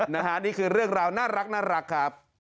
นี่คือเรื่องราวน่ารักครับ